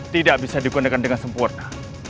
tidak bisa digunakan dengan sempurna